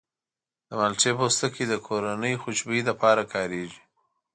د مالټې پوستکی د کورني خوشبویي لپاره کارېږي.